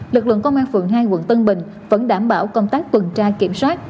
lực lượng công an phường hai quận tân bình vẫn đảm bảo công tác tuần tra kiểm soát